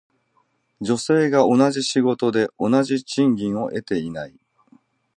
女性が同じ仕事で同じ賃金を得ていない。